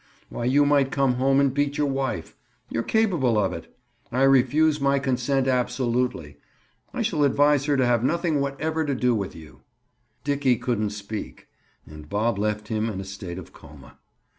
Why, you might come home and beat your wife! You're capable of it. I refuse my consent absolutely. I shall advise her to have nothing whatever to do with you." Dickie couldn't speak and Bob left him in a state of coma.